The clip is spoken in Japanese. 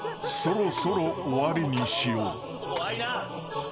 ［そろそろ終わりにしよう］